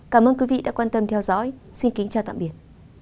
cảm ơn quý vị đã quan tâm theo dõi xin kính chào tạm biệt